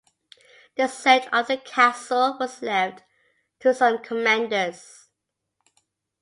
The siege of the castle was left to some commanders.